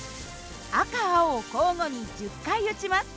赤青交互に１０回撃ちます。